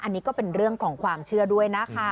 อันนี้ก็เป็นเรื่องของความเชื่อด้วยนะคะ